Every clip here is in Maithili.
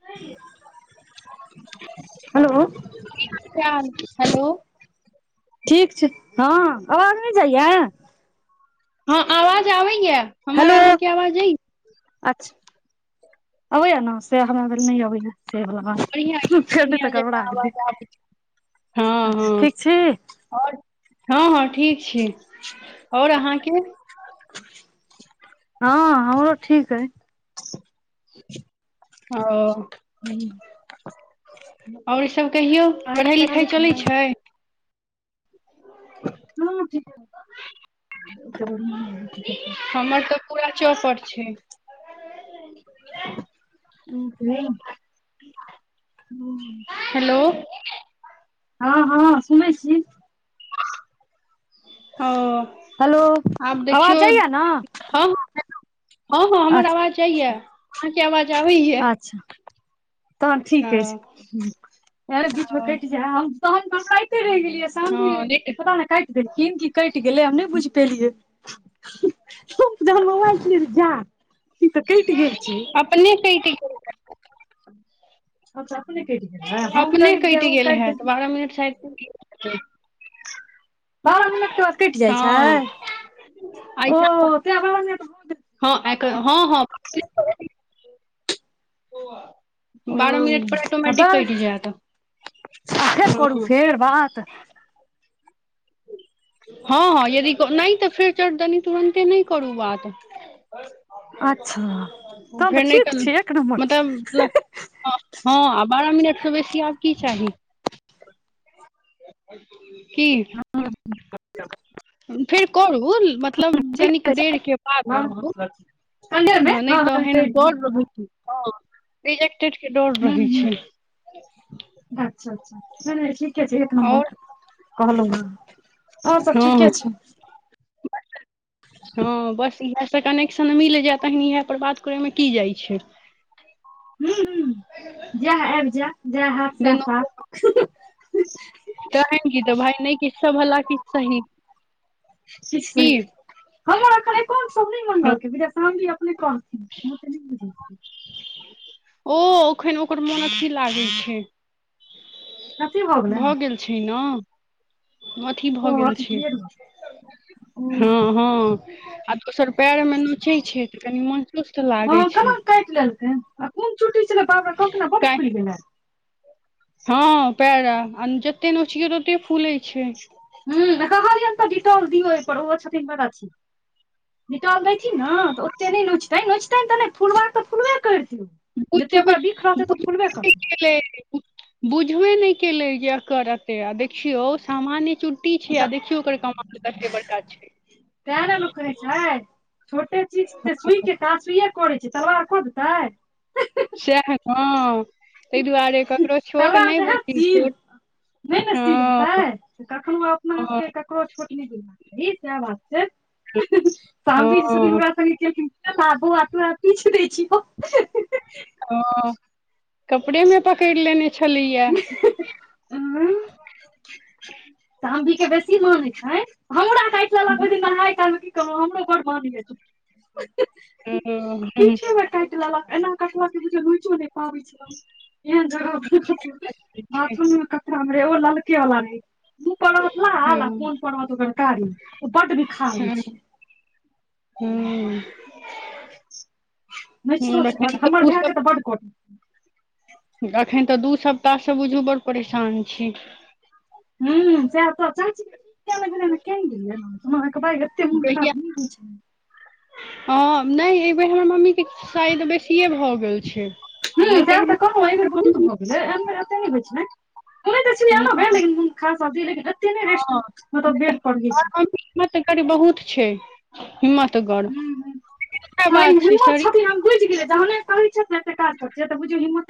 [unintelligible] कि हेलो हाल चाल हेलो ठीक छै हँ अवाज नइ जाइयै हँ आवाज आबैए हमर हेलो अहाँके आवाज जाइ अच्छा अबै य न से हमरा भेल नइ अबैय से बात बढ़ियां एकदम फेर नइ त बढ़ियां गरबरा जकाँ गेलै आवाज आबै छै हँ अच्छह हँ ठीक छी आओर हँ हँ ठीक छी और अहाँके हँ हमरो ठीक अइ ओ [inaudible] और सभ कहियौ पढ़ाइ लिखाइ चलै‌ छै। हँ ठीक हमर तऽ पूरा चौपट छै [unintelligible] हेलो [unintelligible] [unintelligible] हँ हँ सुनै छी ओ हेलो आब आवाज देखियौ जाइया ने हाँ हाँ हँ हँ हमर अच्छा आवाज जायये अहाँके आवाज आबैए य अच्छा तहन ठीक अछि फेर बीच मे कैइट जाय हम तहन खाइते रहि गेल शाम भी पता नहि काइट देलखिन कि कैइट गेलै हमब नहि बुइझ पेलियै तो जहन मोबाइल चलेलौ जा ई तऽ कइट गेल छै अपने कटि गेल अच्छह अपने कइट गेल हैत तऽ देलखिन बारह मिनट साइद पुइर गेल हेतै बारह मिनटके बाद कइट जाइ छै हँ ओ एहिठाम ते बारह मिनट गेल। हँ एकर हँ हँ बारह मिनट ओ पर ऑटोमेटिक कैट जाय त कते करू फेर बात हँ, हँ, यदि नहि तऽ फेर चटदनी तुरन्ते नहि करू बात अच्छा तहन तऽ फेर न ठीक कल छै एक नम्बर मताब हँ, आ बारह मिनटसँ बेसी आब की चाही की अच्छा फेर करू मतलब कनिक छै देरके बाद करू ई ठण्डेमे नहि नहि हँ हँ तऽ ह गरै रिजेक्टेडके डर रहै छै। अच्छा अच्छा ठीके छै, एक नम्बर आओर कहलहु है हँ, हँ हँ बस इएह से कनेक्शन मिल जाय तहन इएह पर बात करेमे की जाइ छै। ह जएह आबि जायब जएह हब सएह हब कहेगी तऽ भाय नहि कि सब भला कि सही क की [unintelligible] हमर एखन एकौन्ट सब नहि बनब के फैमली अपने कहथिन ओ ओखन ओकर मोन स्थिर लागै छै। अथी गेलै भऽ ने गेल छै, न अथी भऽ ओ गेल अथी छै, क्लियर भऽ गेलै ओ हँ हँ आ दोसर पैर में नोचै छै तऽ कनि मन चुस्त लागै हँ छै। केना काटि लेलकै आ कोन चुट्टी छलै बार रे बा कहलखिन हें बड्ड काल्हि फुईल गेला हँ, पैड़ा आ जतेक नोचियै ततेक फूलैत छै। हं कहलियनि तऽ डिटोल दियौ ओहिपर ओहो छथिन बड़ अथी डीटल देइथिन ने तऽ ओते नहि नोचतैनि नोचतनि तऽ नई फुलबाक तऽ फूलबे करतैन जते बुझबे ओकरा बिख रहतै तऽ फुलबे बुझबे नहि करतै केलै बुझबे नई केलै जेकरते आ देखियौ सामान्य चुट्टी छै, तऽ आ देखियौ ओकर कमाल कते बड़का छै। तें ने लोक कहै छै, छोटे चीज त सुइ के काफ़ी करै छै तलवार क देतै तै दुआरे ककरो छोट नहि बुझी छोट नई ने सील हँ हेतै तऽ कखनो अपना आप हँ के ककरो छोट नहि बुझी सैह बात छै। शाम भी हँ [unintelligible] बार बोआ तोरा किछु नई छियो हँ, कपड़े में पकड़ि लेने छलैये हूँ हम भी के बेसी मानै छै हमरा तैं कहलोँ हँ, भौजी नहाय काल में की कहु हमरो बड़ मानय अइछ हुँ हुँ काटि लेलक एना कटलक जे बुझीयो लूईचो नै पाबै छियै एहन जगह बाथरूम में कपड़ा में रहय ओ ललके वाला में ऊपर रहत लाल आर हँ, पोन पर रहत ओकर कारी ओ बड बिखाह होय छै। हँ, नोईचतो छै। एखन तऽ हमर दू भाय सप के तऽ बड्ड कटय एखन तऽ दू सप्ताहसँ बुझू बड़ परेशान छी, हुँ, से तऽ के बेर भेलैन हें क्यान गेलिये कहिया हँ नै एबै हमर मम्मी के साइज़ बेसिये भऽ गेल छै। हुँ नहि तें तऽ कहलौं एई बेर बहुत एहन भऽ गेलै आन बेर एते नै छै होय तऽ छलैया आनो हँ बेर लेकिन कुनु खास लेकिन एते नै रेस्ट हँ मतलब नहि तऽ बेड पड़ गिर हमर जेतय मम्मी हिम्मत बहुत छै हिम्मत गढ़ हुँ सएह यै बात छै हिम्मत शरीर छथिन हम बुझी गेलियेई जहने तेहि स त एते काज परते त बुझीयो हिम्मत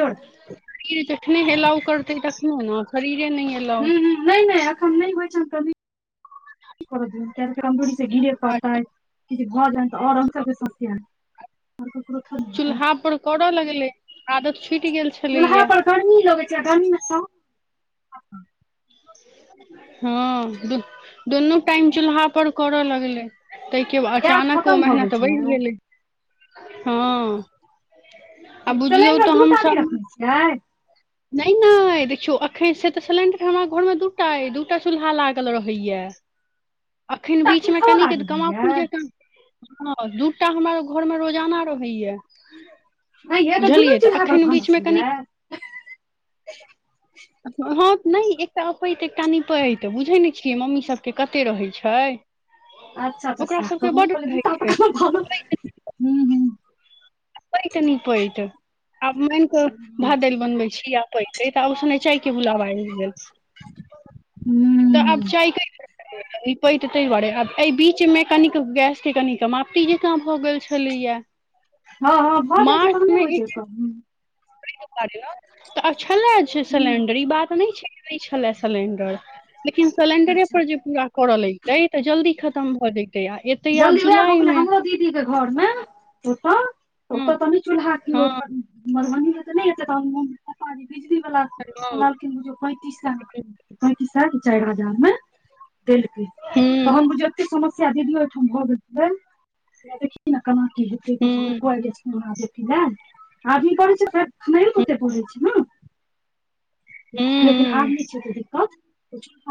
शरीर जखने एलाउ करतै तखने ने शरीर हुँ हुँ, नै, नै एखन नहि होइ छनि से नीके कर दियौन कमजोरी से गिरे आ पड़तै किछु भ जेन तऽ आओर आन सब के समस्या ककरो थोड़े हेतै चूल्हा पर करय लगलै आदत छुटि गेल चूल्हा छलैया पर गर्मी लगै छै, आ गर्मी में सं हँ द दुनू टाइम चूल्हा पर करऽ लगले ताहि के गैस अचानक ओ खतम भऽ गेल मेहनत बैढ़ छलै गेलय बुझियौ सिलेंडर दू टा नहि रखने छियै। नै नै देखियौ एखन से तऽ सिलेण्डर हमरा घर में दू टा अइ दू टा चूल्हा लागल रहैया एखन दूटा बीच में चूल्हो कनिके लागल तऽ कमाउ निक रहैये जकां हँ दूटा हमर घर में रोजाना रहैया नहि ये दुनू बुझलियै तऽ चूल्हा पर एखन बीच भानस में होइये कनिक हँ नै एकटा अपैत त एकटा नीपैत बुझै नहि छियै मम्मी सब के कते रहैत छै। अच्छा अच्छा ओकरा सैह तऽ सभके हमहुँ बड कहलियै रहै दूटा पर छै। केना भानस हूँ अपैत नीपैत आ माइन कऽ हूँ भात दालि बनबैत छी। अपयते तऽ आब ओसने चाय के बुलाबा आबि गेल तऽ आब हूँ चाय कै अइ पैर तै द्वारे आब अइ बीचमे कनिक गैस के कनि कमापती जे क हो गेल छलैया हँ हँ भऽ जाइ छै। तखने मार्चमे होइ छलै कहुँ तऽ [unintelligible] छले छे हूँ सिलेण्डर ई बात नहि छै। नहि छले सिलेण्डर लेकिन सलेंडरे अच्छा पर जे पूरा करऽ लगतै तऽ जल्दी खतम भऽ जइ जल्दी उएह भऽ गेलै हमरो दीदीके घरमे ओत ओत हँ त चूल्हा क त हँ मधुबनी तो नै आइतै [unintelligible] बिजली वला हँ अनलखिन ओ जे पैंतीस लाख पैंतीस लाख चाइर हजार मे देलखिन हूँ तहम बुझियौ ओछे समस्या दीदीऔ ओहिठाम भऽ गेल हेतै की हेतै उपर सँ हूँ लोको आइब जेथिन हमायो हूँ पोथिया बलै छी ने लेकिन आब हूँ नहि छै। किछो केदिक्कत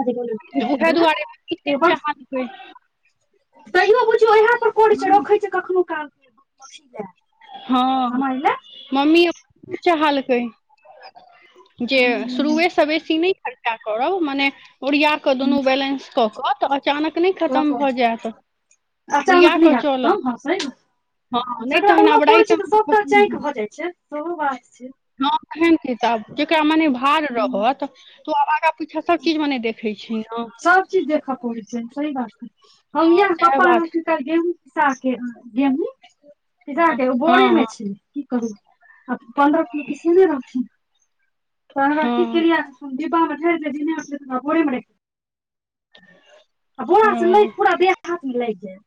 तऽ उएह दुआरे क चाहै तैयो बुझियौ इएह पर करै छै। रखैत छै कखनो काल जाय हँ मम्मी अपनो चाहलकै जे हुं शुरुएसँ बेसी नहि खर्चा करब मने ओरिया कऽ दुनू बैलेंस कऽ कऽ तऽ अचानक नहि कऽ खतम कऽ भऽ जायत अचानक ओरिया नहि कऽ हैती चलब खतम हँ सही बात हँ नहि जकरा तहन बौआ आब पड़ै छै, तऽ रातिमे सबटा चैंक भऽ जाइ छै, सेहो बात छै। हँ एहन किताब जेकरा मने भार रहत तऽ ओ आबारा किछो सब चीज मने देखै सब चीज देखऽ पड़ैत छै। सही बात अइ कहिया सएह पप्पा बात अनलखिन छै तगेहूँ पीसा के गेहुँ पीसा के ओ बोरे हँ मे हँ छै की करू आ पन्द्रह किलो पीसेने रहथिन त की हँ सुी भावठ द घोे मने [unintelligible] आबोरा से नहि हँ पूरा देह हाथ मेलैग जायत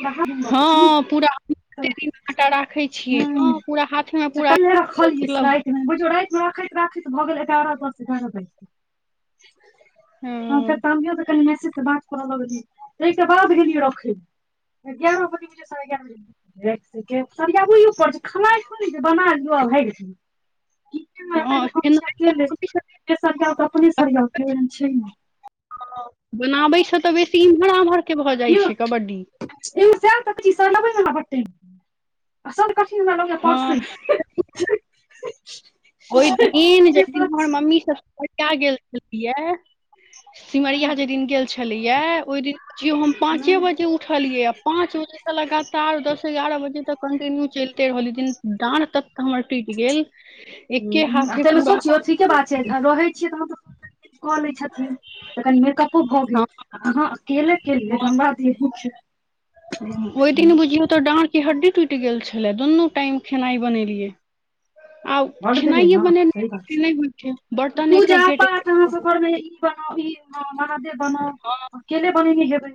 ओरा त ह हँ पूरा कते दिन आटा राखै छियै ने पूरा हाथमे पूरा रखलियै मतलब साइडमे बुझियौ राइतमे राखैत राखैत भऽ गेल एगारह दस एगारह बाजि गेल ह त हँ तानियो तऽ कनि मैसेज से बात करऽ लगलियै छै तहिके बाद गेलियै रखैले एग्यारह बजैत रहै साढ़े एग्यारह सरियाबिही पर जे खेनाइ थोरही छै बनाइ [unintelligible] ब भैगेलै [inaudible] हँ [unintelligible] र तऽ अपने सरिया के छै [unintelligible] बनाबै छ तऽ बेसी इम्हर आम्हरके भऽ जाइ कियो छै कबड्डी सब कठिन लगैये परसै हँ मे [unintelligible] ओहि दिन जाहि दिन हमर मम्मी सब प गेल छलैए हूं सिमरिया जे दिन गेल छलैये ओहि दिन बुझियो हम हूं पांचे बजे उठलियैआ पांच बजे सेलक लगातार दस एगारह बजे तक कन्टिन्यू चलिते रहलीयै ओई दिन डाँढ़ ततऽ हमर टूइट गेल एके ह्म हाथे तैमे पूरा सोचियौ कऽ ठीके लेलियै बात छै रहै छियै तहन तऽ कऽ लै छथिन तऽ कनि मेकअप भऽ गेल अहाँ अकेले केलियै धनबाद यही ओहि दिन बुझियौ तऽ डाँढ़के हड्डी टूइट गेल छलै दुनू टाइम खेनाइ बनेलियै आ बड्ड भेलै खेनाइये ने सही बात बनेनाइ नहि होइ छै बर्तन एक पूजा एक गेट पाठ अहाँसभ घरमे इ बनाउ ई बनाउ महादेब बनाउ अकेले बनेने हेबै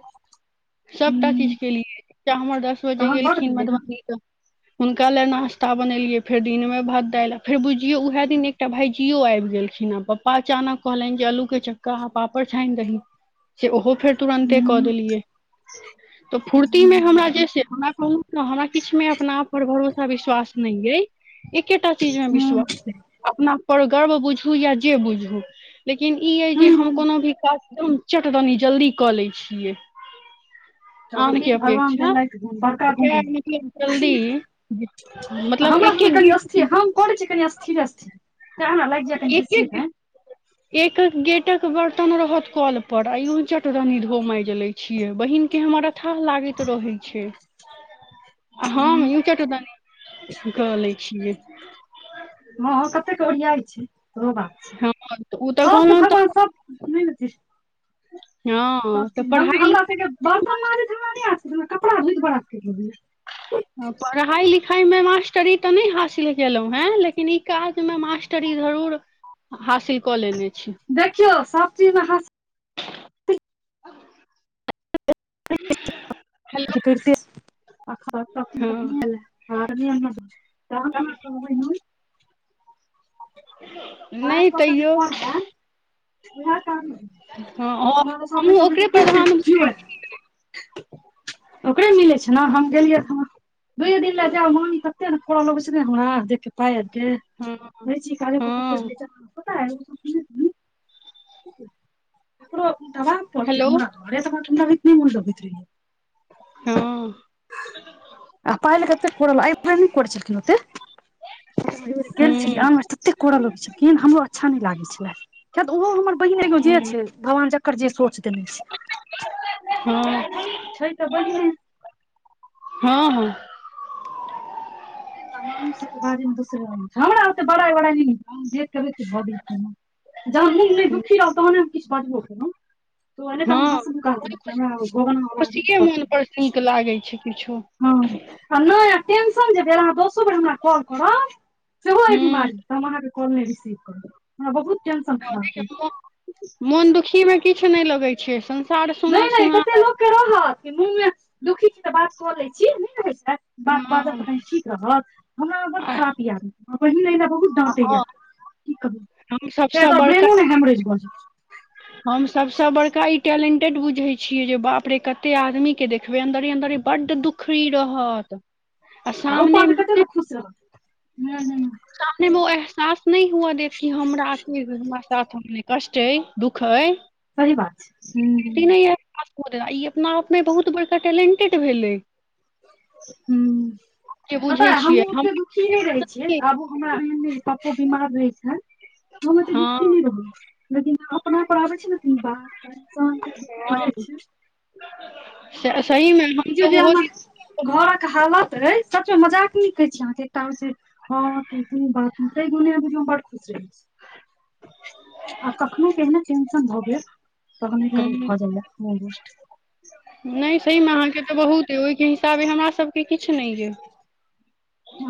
सबटा चीज हुं केलियै हमर दस बजे तहन बड गेलखिन भेलै ने मधुबनी तऽ हुनका ले नाास्ता बनेलियै फेर दिनमे मे भात दाल फेर बुझियो उएह दिन एकटा भाइजियो आयब गेलखिन आ पप्पा अचानक कहलनि जे आलू के चक्का पापड़ छाइन दही से ओहो फेर तुरन्ते कऽ हुं देलियै [inaudible] तऽ हुं फूर्तिमे हमरा जे छै हमरा कहु तो हमरा किछमे अपना आप पर भरोसा विश्वास नहि अइ एकेटा चीज मे विश्वास हुं अइ अपना पर गर्व बुझू या जे बुझू लेकिन ई यै जे हम हुं कोनो भी काज चट दनी जल्दी कऽ लै छियै चलू आनके ई भगवान अपेक्षा देलैथ गुन बड़का गुन ओकरा मतलब जल्दी मतलब हमरा एक एक घरमे दिन स्थिर हम करै छीयै कनि स्थिरे स्थिरे एक एक एक अक गेट कटक बर्तन रहत कल पर आ यु जट दनी धो मैज लै छियै बहिन के हमर अथाह लागैत रहै छै ह्म हम्म यु चट दनी कऽ लै छियै हँ हँ कतेकके ओरियाइ छै सेहो बात छै हँ ओ तऽ सबके कहलहुँ तऽ भगवान सब नै ने सब हँ तऽ चीज हम पढ़ाइ हमरा सबके बर्तन माजैत हमरा नहि आसकैत हमरा कपड़ा धुलिके राखैत रहियै पढ़ाइ लिखाइमे मास्टरी तऽ नहि हासिल केलौ हे लेकिन ई काज मे मास्टरी जरूर हासिल कऽ लेने छी देखियौ सब चीजमे हासिल [inaudible] अच्छा कैरते आ ख क हँ लै ख [unintelligible] हाथ नहि क कऽ जे तैयो कोन हे तऽ हँ हमहूँ ओकरे प्रधान ती [inaudible] बुझै ओकरे मिलै छै न हम गेलियै दुइए दिन ले जायब मम्मी तते ने कह लगै छै ने हमरा देख के पा हँ काल को फोज हँ [unintelligible] [inaudible] दबाब पड़तै हेलो हमरा घरेसे मोननै लगैत रहियै हँ आ पायल कते कोड़ल अभिप्र को च कि मते केल छल हूँ आमे सते कोल [unintelligible] किछो किन हमरो अच्छा नहि लागै छले किय तऽ ओहो हमर बहिन एगो हँ जे छै भगवान ज ओकर जे सोच दे ने छै हँ छै तऽ बहिने हँ हँ सबके ब मे दसर हम बड़ाइ [unintelligible] भऽ गेल की जहन मोन नहि दुखी रहल तहने हम किछु बजबो केलौ त ओ त हम हँ हसका द ओहि खुश खुशिये घो मोन पर नीक लागै छै किछो [unintelligible] हँ आ नहि टेन्स तखन जे डेराबौ दसो बेर हमरा कॉल करब सेहो हूँ बीमारी तऽ हम अहाँक फोन नै रिसिभ करौ हमरा बहुत टेंशन खराब मोदी अइ के मोन दुखी मे किछ नहि लगै छै सम नहि नहि कते लोकके रहत मोनमे दुःखी छी तऽ बात क लए छी नहि नै होइ बात बाजब हँ तऽ कनि ठीक रहत हमरा में बड्ड आ खराब या ई आदत पहिने बहुत डाँटै या कि कहुँ हम सबसँ एतय बड़का ब्रेनो न हैम्ब्रेज भऽ जाइ हम सबसा बड़का ई टैलेंट टेड बुझै छियै जे बाप रे कते आदमी के देखबै अन्दरे अंन्दरे बड्ड दुखी रहत आ जाय आ सामने ऊपर से कते मे लोक खुश रहत हूँ हूँ सामने मे ओ एहसास नहि हुए देत कि हमरा अपने हमरा साथ अपने कष्ट छै दुःख अइ सही बात छै हूँ हूँ ई नै या पास्पोटरा ई अपना आपमे बहुत बड़का टैलेंटेड भेलै ह्म जे पता बुझै यै छियै हमहूँ हम ओते दुखी नहि रहय छियै आबो हमरा एहने पप्पो बीमार रहय छैन हम एते हँ दुखी नहि रहि लेकिन अपना पर आबै छै न ई बात तऽ इंसान फ्रस्ट्रेड भऽ जाइ छै स सही मे हमतऽ बुझियौ जे ओहो हमर दिन घरक हालत ऐ सचमे मजाक नै कहै छी अहाँके एकटा होई छै हँ कि कि बात तै गुने बुझियौ हम बड्ड खुश रहय छी [inaudible] आ कखनोहुक एहिना टेंशन भऽ गेल तहने कनि हम्म, भऽ जाइए मन रुष्ट नहि सहीमे अहाँके तऽ बहुत अइ ओहिके हिसाबे हमरा सभके किछु नहि यै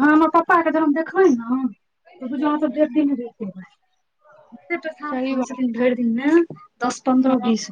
हँ हमर पप्पाके जहन देखबै न त बुझियौ अहाँ सब डेढ़ दिन नै रहि पेबै एते पेशाब सही करय बात छथिन भरि दिनमे दस हँ पन्द्रह बीस